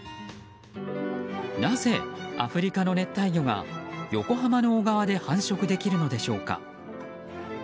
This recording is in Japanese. なぜアフリカの熱帯魚が横浜の小川で繁殖できるのでしょうか。